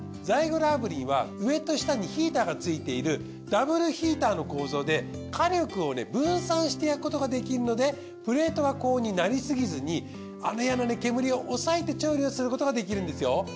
ザイグル炙輪は上と下にヒーターがついているダブルヒーターの構造で火力をね分散して焼くことができるのでプレートが高温になりすぎずにあの嫌なね煙を抑えて調理をすることができるんですよ。